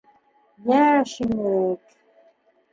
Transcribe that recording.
Йәш инек...